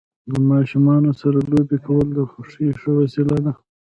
د ماشومانو سره لوبې کول د خوښۍ ښه وسیله ده.